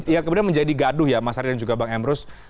yang kemudian menjadi gaduh ya mas ari dan juga bang emrus